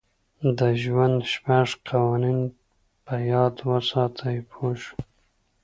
د ژوند شپږ قوانین په یاد وساتئ پوه شوې!.